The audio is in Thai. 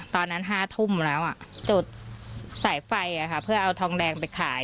ตอนนั้น๕ทุ่มแล้วจุดสายไฟเพื่อเอาทองแดงไปขาย